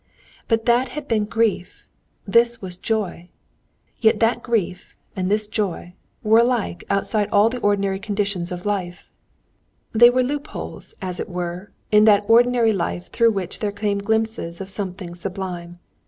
But that had been grief—this was joy. Yet that grief and this joy were alike outside all the ordinary conditions of life; they were loop holes, as it were, in that ordinary life through which there came glimpses of something sublime.